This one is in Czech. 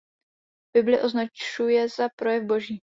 Bibli označuje za „projev Boží“.